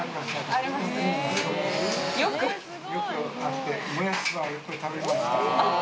よく会って、もやしそばよく食べてました。